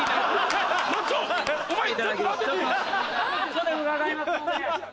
署で伺いますので。